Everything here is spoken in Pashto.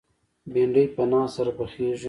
بېنډۍ په ناز سره پخېږي